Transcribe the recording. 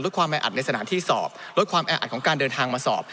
ความแออัดในสถานที่สอบลดความแออัดของการเดินทางมาสอบ